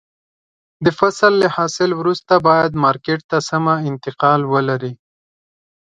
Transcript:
د فصل له حاصل وروسته باید مارکېټ ته سمه انتقال ولري.